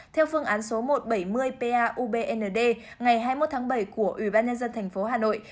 theo phương án số một trăm bảy mươi pabnd ngày hai mươi một tháng bảy của ủy ban nhân dân thành phố hà nội